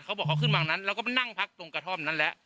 เขาบอกเขาขึ้นมาเราก็นั่งพักตรงกระทอดมนั่นแหละ